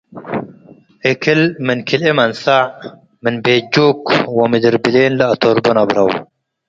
እክል ምን ክልኤ መንሰዕ፡ ምን ቤት-ችክ ወምድር ብሌን ለአተርቦ ነብረው ።